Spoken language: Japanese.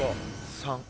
３。